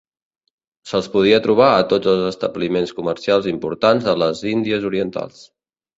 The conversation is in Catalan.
Se'ls podia trobar a tots els establiments comercials importants de les Índies Orientals.